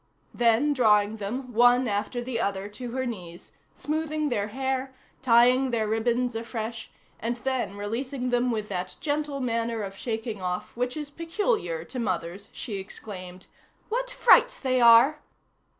Then drawing them, one after the other to her knees, smoothing their hair, tying their ribbons afresh, and then releasing them with that gentle manner of shaking off which is peculiar to mothers, she exclaimed, "What frights they are!"